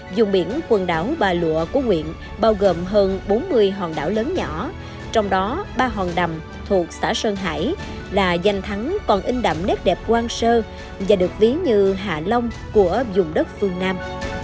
dùng biển quần đảo bà lụa của nguyện bao gồm hơn bốn mươi hòn đảo lớn nhỏ trong đó ba hòn đầm thuộc xã sơn hải là danh thắng còn in đậm nét đẹp quang sơ và được ví như hạ long của dùng đất phương nam